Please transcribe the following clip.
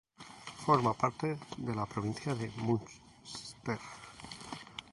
Forma parte de la provincia de Munster.